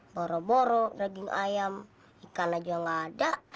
boroboro daging ayam ikan aja gak ada